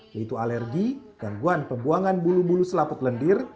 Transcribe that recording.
yaitu alergi gangguan pembuangan bulu bulu selaput lendir